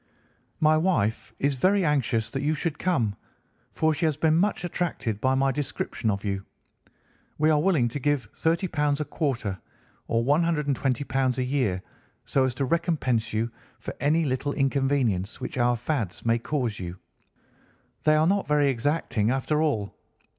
My wife is very anxious that you should come, for she has been much attracted by my description of you. We are willing to give £ 30 a quarter, or £ 120 a year, so as to recompense you for any little inconvenience which our fads may cause you. They are not very exacting, after all.